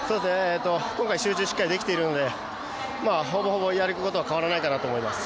今回集中しっかりできているので、ほぼほぼやることは変わらないかなと思います。